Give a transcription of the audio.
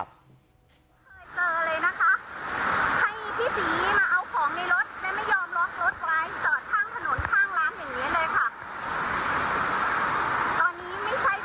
มีป้ามาอยู่ในรถแล้วมันมาค้นกระเป๋าในรถหมดเลย